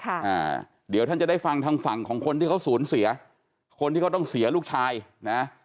อ่าเดี๋ยวท่านจะได้ฟังทางฝั่งของคนที่เขาสูญเสียคนที่เขาต้องเสียลูกชายนะ